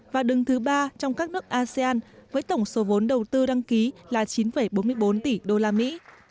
và đứng thứ ba trong các nước asean với tổng số vốn đầu tư đăng ký là chín bốn mươi bốn tỷ đô la mỹ